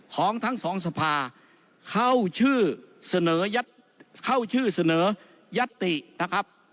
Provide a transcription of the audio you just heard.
ของทั้งสองสภาเข้าชื่อเสนอยัตตินะครับ